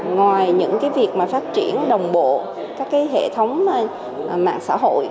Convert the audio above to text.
ngoài những cái việc mà phát triển đồng bộ các cái hệ thống mạng xã hội